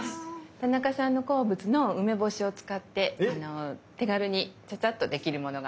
田中さんの好物の梅干しを使って手軽にチャチャッと出来るものがあるんです。